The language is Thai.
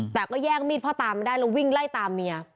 แต่ก็แย่งมีดพ่อตามาได้แล้ววิ่งไล่ตามเมีย